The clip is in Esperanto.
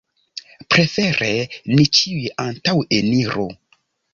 Prefere ni ĉiuj antaŭeniru.